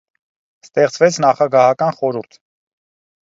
Ստեղծվեց նախագահական խորհուրդ։